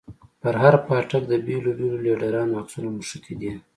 پر هر پاټک د بېلو بېلو ليډرانو عکسونه مښتي دي.